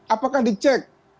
apakah di cek